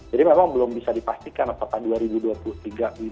jadi memang belum bisa dipastikan apakah dua ribu dua puluh tiga winter ini akan berlalu